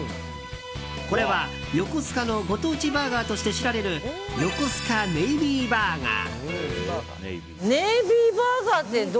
これは横須賀のご当地バーガーとして知られるヨコスカネイビーバーガー。